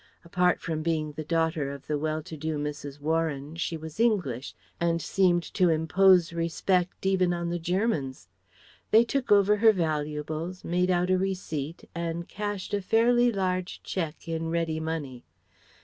Apart from being the daughter of the well to do Mrs. Warren, she was English, and seemed to impose respect even on the Germans. They took over her valuables, made out a receipt, and cashed a fairly large cheque in ready money.